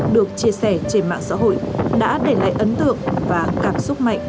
được chia sẻ trên mạng xã hội đã để lại ấn tượng và cảm xúc mạnh